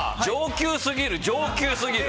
上級すぎる！